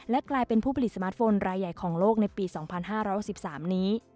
กลายเป็นผู้ผลิตสมาร์ทโฟนรายใหญ่ของโลกในปี๒๕๖๓นี้